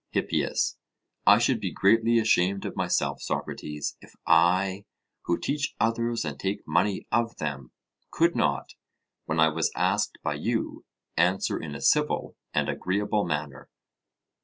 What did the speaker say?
HIPPIAS: I should be greatly ashamed of myself, Socrates, if I, who teach others and take money of them, could not, when I was asked by you, answer in a civil and agreeable manner.